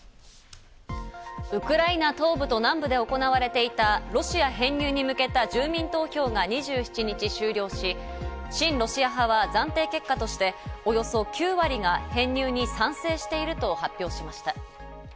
ウクライナ東部と南部で行われていたロシア編入に向けた住民投票が２７日終了し、親ロシア派は暫定結果として、およそ９割が編入に賛成していると発表しました。